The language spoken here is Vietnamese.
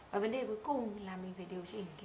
và vấn đề cuối cùng là mình phải điều chỉnh